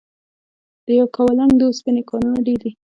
د یکاولنګ د اوسپنې کانونه ډیر دي؟